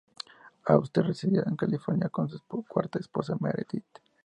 Asher residía en California, con su cuarta esposa, Meredith.